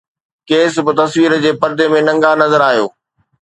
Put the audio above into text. قيس به تصوير جي پردي ۾ ننگا نظر آيو